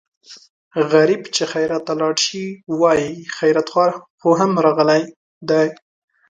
غریب چې خیرات ته لاړ شي وايي خیراتخور خو هم راغلی دی.